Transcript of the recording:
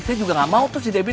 saya juga gak mau tuh si debbie